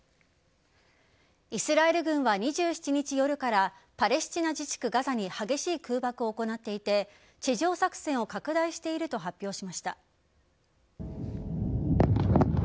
イスラエル軍は２７日夜からパレスチナ自治区・ガザに激しい空爆を行っていて地上作戦を拡大していると発表しました。